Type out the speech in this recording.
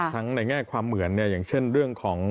ทั้งในแง่ความเหมือนเนี่ยอย่างเช่นเรื่องของ